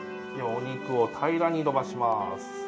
お肉を平らにのばします。